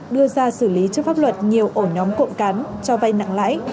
đưa ra xử lý trước pháp luật nhiều ổ nhóm cộng cán cho vay nặng lãi